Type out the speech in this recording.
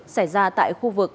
xảy ra tại khu vực